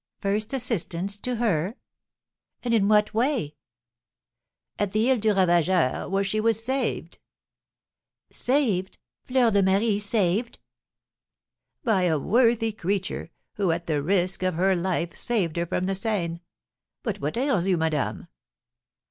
"First assistance to her! And in what way?" "At the Isle du Ravageur, where she was saved." "Saved! Fleur de Marie saved?" "By a worthy creature, who, at the risk of her life, saved her from the Seine. But what ails you, madame?"